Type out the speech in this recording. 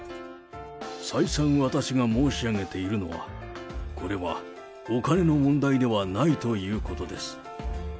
再三、私が申し上げているのは、これはお金の問題ではないということです。